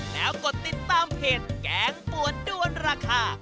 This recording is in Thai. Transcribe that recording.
แล้วกดติดตามเพจแกงปวดด้วนราคา